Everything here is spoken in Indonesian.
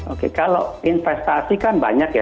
oke kalau investasi kan banyak ya